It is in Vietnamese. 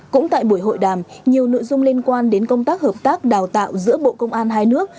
cũng tại buổi hội đàm nhiều nội dung liên quan đến công tác hợp tác đào tạo giữa bộ công an hai nước